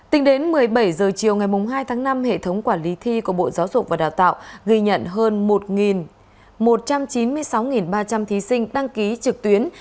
tính đến một mươi bảy h chiều ngày hai tháng năm hệ thống quản lý thi của bộ giáo dục và đào tạo ghi nhận hơn một một trăm chín mươi sáu ba trăm linh thí sinh đăng ký trực tuyến